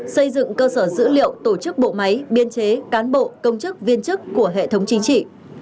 xây dựng cơ sở dữ liệu tổ chức bộ máy biên chế cán bộ công chức viên chức của hệ thống chính trị